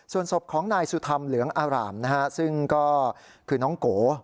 ส่วนศพของนายสุธรรมเหลืองอารามนะฮะซึ่งก็คือน้องโก